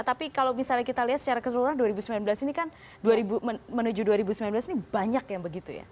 tapi kalau misalnya kita lihat secara keseluruhan dua ribu sembilan belas ini kan menuju dua ribu sembilan belas ini banyak yang begitu ya